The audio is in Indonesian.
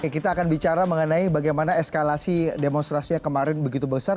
kita akan bicara mengenai bagaimana eskalasi demonstrasi yang kemarin begitu besar